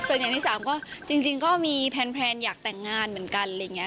ส่วนอย่างที่สามก็จริงก็มีแพลนอยากแต่งงานเหมือนกันอะไรอย่างนี้